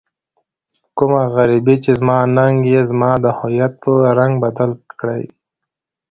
کومه غريبي چې زما ننګ يې زما د هويت په رنګ بدل کړی.